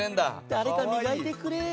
誰か磨いてくれ。